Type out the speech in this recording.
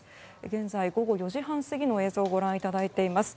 現在午後４時半過ぎの映像をご覧いただいています。